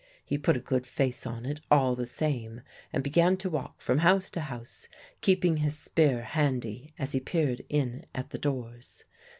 He put a good face on it, all the same, and began to walk from house to house, keeping his spear handy as he peered in at the doors.